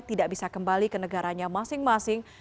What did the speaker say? tidak bisa kembali ke negaranya masing masing